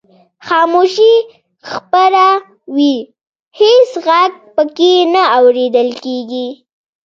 خاموشي خپره وي هېڅ غږ پکې نه اورېدل کیږي.